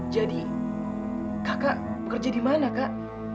jadi kakak bekerja di mana kak